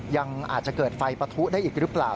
ยังอาจจะเกิดไฟปะทุได้อีกหรือเปล่า